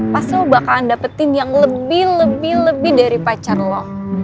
pasti lo bakalan dapetin yang lebih lebih lebih dari pacar lo